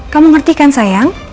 kamu ngerti kan sayang